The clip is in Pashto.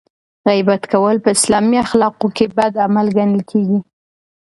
غیبت کول په اسلامي اخلاقو کې بد عمل ګڼل کیږي.